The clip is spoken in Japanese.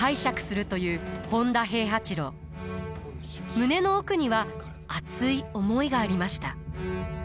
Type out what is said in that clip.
胸の奥には熱い思いがありました。